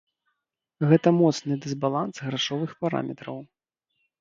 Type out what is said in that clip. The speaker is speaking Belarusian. Гэта моцны дысбаланс грашовых параметраў.